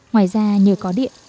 ngoài ra nhờ có điện